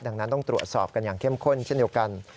ดังนั้นต้องตรวจสอบกันอย่างเข้มข้นเช่นเดียวกัน